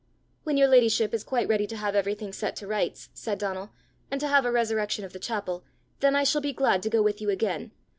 "When your ladyship is quite ready to have everything set to rights," said Donal, "and to have a resurrection of the chapel, then I shall be glad to go with you again.